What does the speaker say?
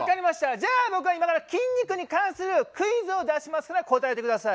じゃあ僕は今から筋肉に関するクイズを出しますから答えて下さい。